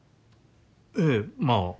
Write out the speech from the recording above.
ええまあ。